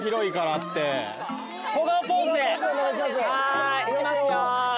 はいいきますよ。